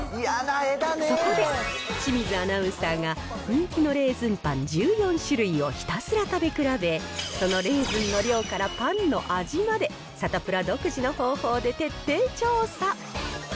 そこで、清水アナウンサーが人気のレーズンパン１４種類をひたすら食べ比べ、そのレーズンの量からパンの味まで、サタプラ独自の方法で徹底調査。